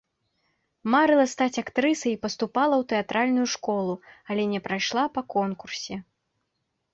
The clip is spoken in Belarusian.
Марыла стаць актрысай і паступала ў тэатральную школу, але не прайшла па конкурсе.